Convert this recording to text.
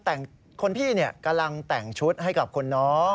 กำลังแต่งคนพี่เนี่ยกำลังแต่งชุดให้กับคนน้อง